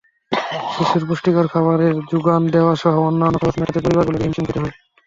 শিশুর পুষ্টিকর খাবারের জোগান দেওয়াসহ অন্যান্য খরচ মেটাতে পরিবারগুলোকে হিমশিম খেতে হয়।